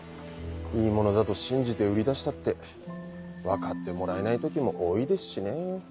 いいものだと信じて売り出したって分かってもらえない時も多いですしね。